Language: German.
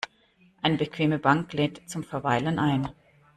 Eine bequeme Bank lädt zum Verweilen ein.